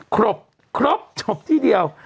ครบครบจบที่เดียว